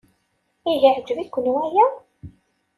Ihi yeɛjeb-iken waya?